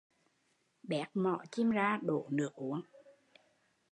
Béc mỏ chim ra đổ nước uống